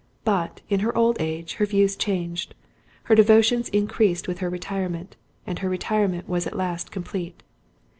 But, in her old age, her views changed; her devotions increased with her retirement; and her retirement was at last complete.